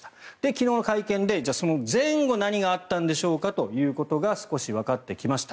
昨日の会見で、その前後に何があったんでしょうかということが少しわかってきました。